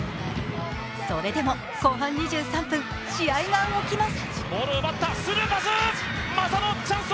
それでも後半２３分試合が動きます。